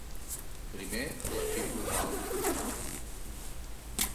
Primer l'equip local.